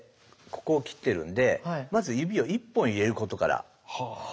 ここを切ってるんでまず指を１本入れることから。